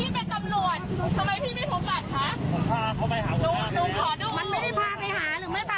พาเขาไปหามันไม่ได้พาไปหาหรือไม่พาไปหาสารวัตรค่ะ